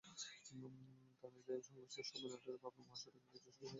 ধানাইদহে সংঘর্ষের সময় নাটোর-পাবনা মহাসড়কে কিছু সময় যানবাহন চলাচল বন্ধ হয়ে যায়।